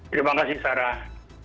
terima kasih sarah